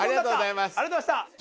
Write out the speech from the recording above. ありがとうございます。